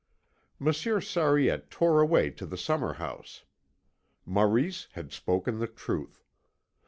Monsieur Sariette tore away to the summer house. Maurice had spoken the truth.